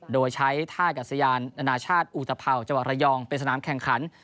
โดยใช้ท่ากัศยานอนาชาติอุตภาวจังหวัดระยองเป็นสนามแข่งขัน